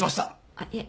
あっいえ。